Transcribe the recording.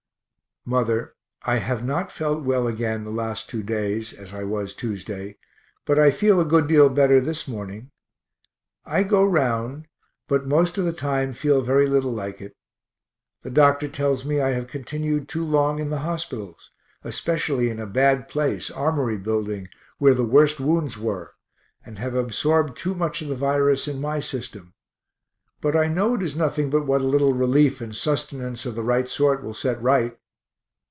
Mother, I have not felt well again the last two days as I was Tuesday, but I feel a good deal better this morning. I go round, but most of the time feel very little like it. The doctor tells me I have continued too long in the hospitals, especially in a bad place, Armory building, where the worst wounds were, and have absorbed too much of the virus in my system but I know it is nothing but what a little relief and sustenance of [the] right sort will set right.